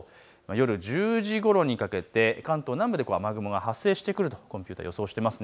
夜１０時ごろにかけて関東南部で雨雲が発生してくるとコンピューター、予想しています。